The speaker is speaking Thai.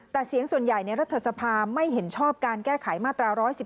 แต่เสียงส่วนใหญ่ในรัฐสภาไม่เห็นชอบการแก้ไขมาตรา๑๑๒